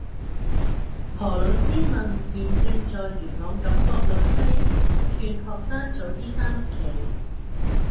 何老師問現正在元朗錦壆路西勸學生早啲返屋企